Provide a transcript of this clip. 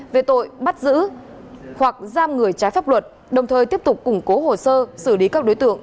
về tội bắt giữ hoặc giam người trái pháp luật đồng thời tiếp tục củng cố hồ sơ xử lý các đối tượng